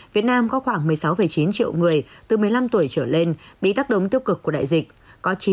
việt nam có khoảng một mươi sáu chín triệu người từ một mươi năm tuổi trở lên bị tác động tiêu cực của đại dịch